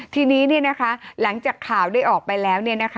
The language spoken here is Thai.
ทีนี้เนี่ยนะคะหลังจากข่าวได้ออกไปแล้ว